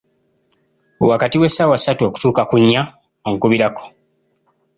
Wakati w'essaawa ssatu okutuuka ku nnya onkubirako.